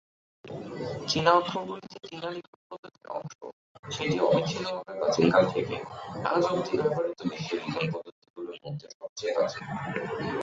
চীনা অক্ষরগুলি যে চীনা লিখন পদ্ধতির অংশ, সেটি অবিচ্ছিন্নভাবে প্রাচীনকাল থেকে আজ অবধি ব্যবহৃত বিশ্বের লিখন পদ্ধতিগুলির মধ্যে সবচেয়ে প্রাচীন।